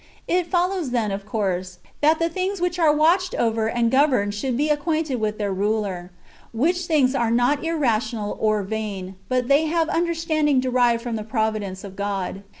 ^ It follows then of course, that the things which are watched over and governed should be acquainted with their ruler; which things are not irrational or vain, but they have under standing derived from the providence of God.